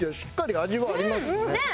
ねえ！ありますね。